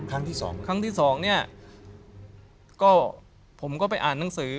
ครั้งที่สองครั้งที่สองเนี่ยก็ผมก็ไปอ่านหนังสือ